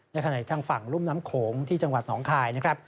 ในขณะทางฝั่งรุ่มน้ำโขงที่จังหวัดหนองคายนะครับ